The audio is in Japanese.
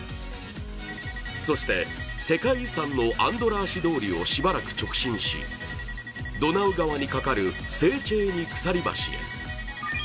そして、世界遺産のアンドラーシ通りをしばらく直進しドナウ川にかかるセーチェーニ鎖橋へ。